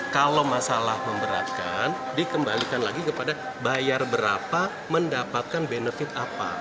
kalau masalah memberatkan dikembalikan lagi kepada bayar berapa mendapatkan benefit apa